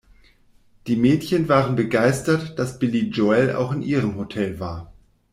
Die Mädchen waren begeistert, dass Billy Joel auch in ihrem Hotel war.